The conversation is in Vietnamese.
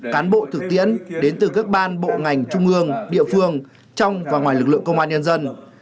cán bộ thực tiễn đến từ các ban bộ ngành trung ương địa phương trong và ngoài lực lượng công an nhân dân